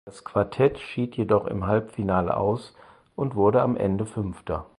Das Quartett schied jedoch im Halbfinale aus und wurde am Ende Fünfter.